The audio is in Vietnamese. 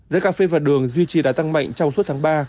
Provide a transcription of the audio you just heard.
giá cà phê và đường duy trì đã tăng mạnh trong suốt tháng ba